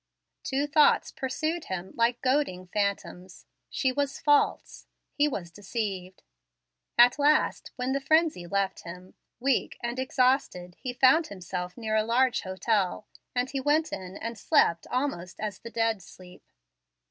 Two thoughts pursued him like goading phantoms, she was false he was deceived. At last, when the frenzy left him, weak and exhausted, he found himself near a large hotel, and he went in and slept almost as the dead sleep.